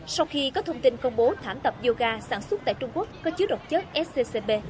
sau khi có thông tin công bố thảm tập yoga sản xuất tại trung quốc có chứa độc chất sccb